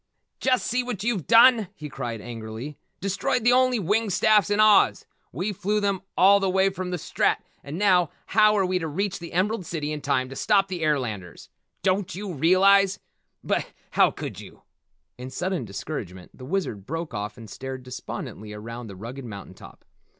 "Just see what you've done," he cried angrily. "Destroyed the only winged staffs in Oz. We flew them all the way from the Strat and now, how are we to reach the Emerald City in time to stop the airlanders? Don't you realize but how could you?" In sudden discouragement the Wizard broke off and stared despondently around the rugged mountain top.